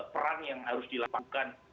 peran yang harus dilakukan